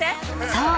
［そう。